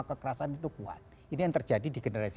kekerasan itu kuat ini yang terjadi di generasi